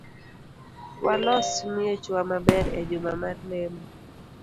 Walos miechwa maber ejuma mar lemo